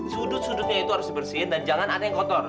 sudut sudutnya itu harus dibersihin dan jangan ada yang kotor